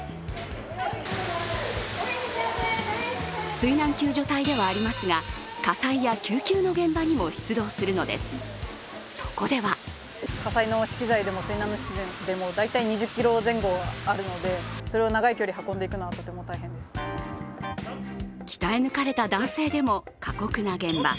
水難救助隊ではありますが、火災や救急の現場にも出動するのです、そこでは鍛え抜かれた男性でも過酷な現場。